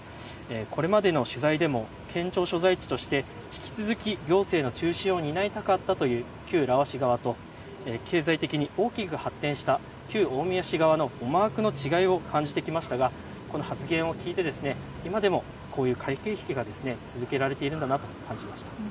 これまでの取材でも県庁所在地として引き続き行政の中心を担いたかったという旧浦和市側と経済的に大きく発展した旧大宮市側の思惑の違いを感じてきましたがこの発言を聞いて今でもこういう駆け引きが続けられているのだなと感じました。